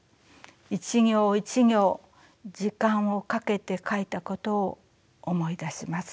一行一行時間をかけて書いたことを思い出します。